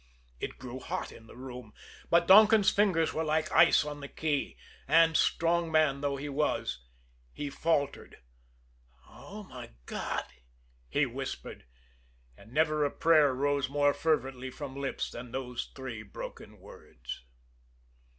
It grew hot in the room; but Donkin's fingers were like ice on the key, and, strong man though he was, he faltered. "Oh, my God!" he whispered and never a prayer rose more fervently from lips than those three broken words.